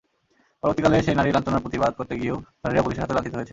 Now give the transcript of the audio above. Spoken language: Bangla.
পরবর্তীকালে সেই নারী লাঞ্ছনার প্রতিবাদ করতে গিয়েও নারীরা পুলিশের হাতে লাঞ্ছিত হয়েছেন।